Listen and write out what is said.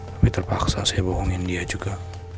tapi terpaksa saya bohongin dia juga